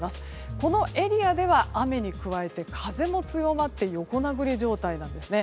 このエリアでは雨に加わって風も強まって横殴り状態なんですね。